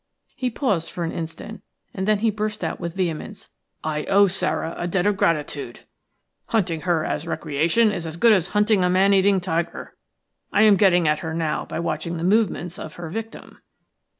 He paused for an instant, and then he burst out with vehemence:– "I owe Sara a debt of gratitude. Hunting her as a recreation is as good as hunting a man eating tiger. I am getting at her now by watching the movements of her victim."